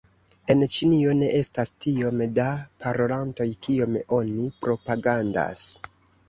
En Ĉinio ne estas tiom da parolantoj, kiom oni propagandas.